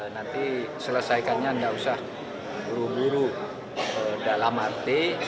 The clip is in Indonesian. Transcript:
nanti selesaikannya tidak usah buru buru dalam arti